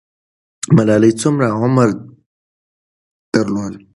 ملالۍ څومره عمر درلود؟